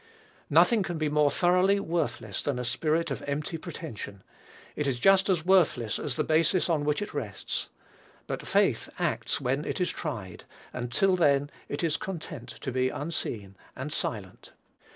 Nothing can be more thoroughly worthless than a spirit of empty pretension. It is just as worthless as the basis on which it rests. But faith acts "when it is tried;" and till then it is content to be unseen and silent.